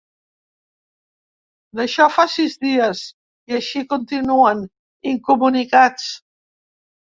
D'això fa sis dies, i així continuen, incomunicats.